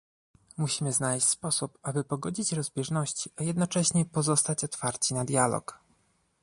Musimy znaleźć sposób, aby pogodzić rozbieżności, a jednocześnie pozostać otwarci na dialog